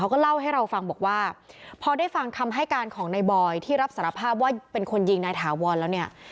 ก็เล่าให้เราฟังบอกว่าพอได้ฟังคำให้การของนายบอยที่รับสารภาพว่าเป็นคนยิงนายถาวรแล้วเนี่ย